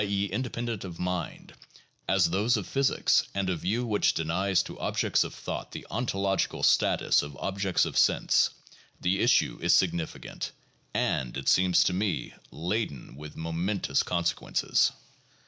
e., independent of "mind") as those of physics, and a view which denies to objects of thought the ontologic status of objects of sense, the issue is significant, and, it seems to me, laden with momentous consequences.